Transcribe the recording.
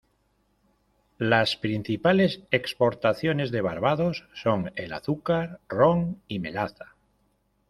Las principales exportaciones de Barbados son el azúcar, ron y melaza.